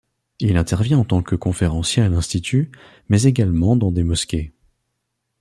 Il intervient en tant que conférencier à l’Institut, mais également dans des mosquées.